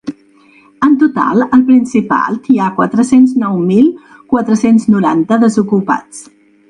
En total al Principat hi ha quatre-cents nou mil quatre-cents noranta desocupats.